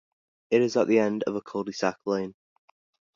It is at the end of a cul-de-sac lane.